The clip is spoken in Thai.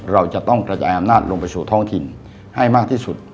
เราจะต้องกระจายอำนาจลงไปสู่ท้องถิ่นให้มากที่สุด